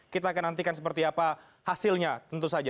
kita akan nantikan seperti apa hasilnya tentu saja